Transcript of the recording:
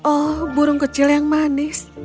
oh burung kecil yang manis